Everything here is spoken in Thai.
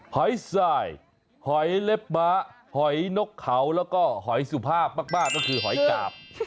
หอยสายหอยเล็บม้าหอยนกเขาแล้วก็หอยสุภาพมากก็คือหอยกาบ